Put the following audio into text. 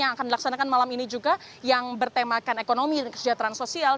yang akan dilaksanakan malam ini juga yang bertemakan ekonomi dan kesejahteraan sosial